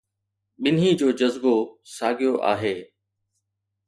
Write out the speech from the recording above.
ٻنهي جو جذبو ساڳيو آهي